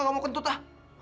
gua gak mau kentut lah